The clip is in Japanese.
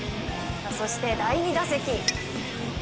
そして第２打席。